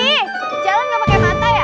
ih jangan gak pake mata ya